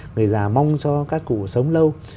người già mong cho các cụ sống lâu